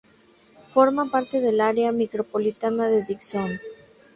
Forma parte del área micropolitana de Dixon.